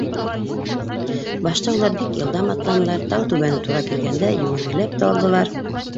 Башта улар бик йылдам атланылар, тау түбәне тура килгәндә, йүгергеләп тә алдылар.